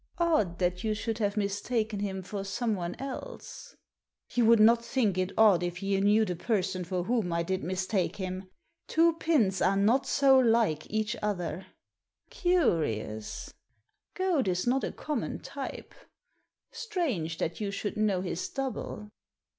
"Odd that you should have mistaken him for someone else.*' "You would not think it odd if you knew the Digitized by VjOOQIC A DOUBLE MINDED GENTLEMAN 229 person for whom I did mistake him. Two pins are not so like each other." " Curious. Goad is not a common type. Strange that you should know his double."